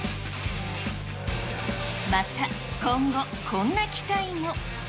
また、今後、こんな期待も。